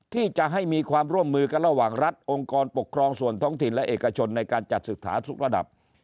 ที่จะให้มีความร่วมมือกันระหว่างรัฐองค์กรปกครองส่วนท้องถิ่นและเอกชนในการจัดศึกษาทุกระดับ